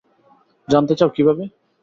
জানতে চাও কিভাবে?